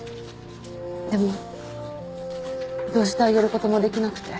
でもどうしてあげることもできなくて。